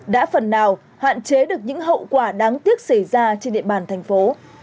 đã phần nào hạn chế được những hậu quả đáng tiếc xảy ra trên địa bàn thành phố